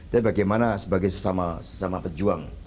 tapi bagaimana sebagai sesama pejuang